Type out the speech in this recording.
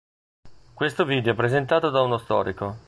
Questo video è presentato da uno storico.